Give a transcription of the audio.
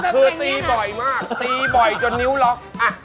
คือตีบ่อยมากจนนิ้วล็อก